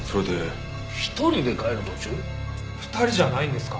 ２人じゃないんですか？